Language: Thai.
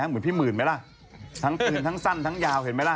เหมือนพี่หมื่นไหมล่ะทั้งปืนทั้งสั้นทั้งยาวเห็นไหมล่ะ